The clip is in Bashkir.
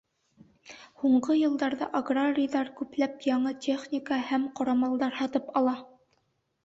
Һуңғы йылдарҙа аграрийҙар күпләп яңы техника һәм ҡорамалдар һатып ала.